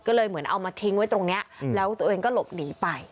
ก็เลยเหมือนเอามาทิ้งไว้ตรงนี้แล้วตัวเองก็หลบหนีไป